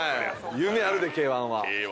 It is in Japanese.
夢あるでＫ−１は。